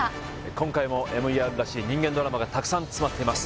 今回もＭＥＲらしい人間ドラマがたくさん詰まってます